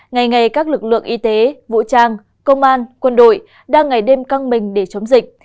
ngày ngày các lực lượng y tế vũ trang công an quân đội đang ngày đêm căng mình để chống dịch